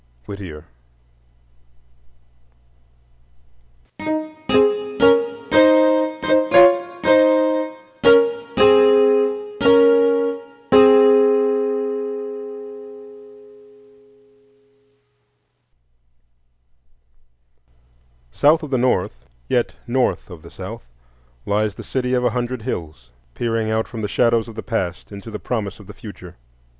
WHITTIER. South of the North, yet north of the South, lies the City of a Hundred Hills, peering out from the shadows of the past into the promise of the future.